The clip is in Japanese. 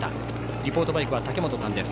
リポートバイクは武本さんです。